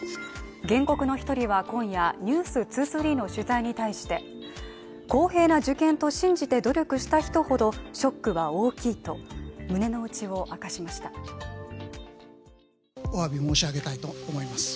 原告の１人は今夜、「ｎｅｗｓ２３」の取材に対して公平な受験と信じて努力した人ほど、ショックは大きいと胸の内を明かしましたお詫び申し上げたいと思います。